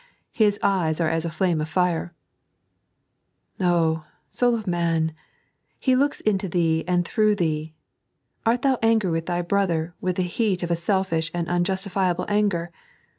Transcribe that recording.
His eyes are as a flame of fire I Oh, eoul of man, He looks into thee and through thee. Art thou angry with thy brother with the heat of a selfish and unjustifiable anger?